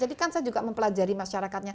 jadi kan saya juga mempelajari masyarakatnya